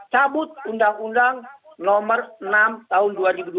cabut undang undang nomor enam tahun dua ribu dua puluh